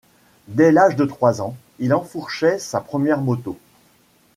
Dès l'âge de trois ans il enfourchait sa première moto.